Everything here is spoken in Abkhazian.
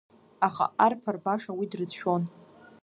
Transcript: Аха арԥар баша уи дрыцәшәон.